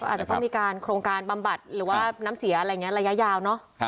อาจจะต้องมีการโครงการบำบัดหรือว่าน้ำเสียอะไรอย่างนี้ระยะยาวเนอะ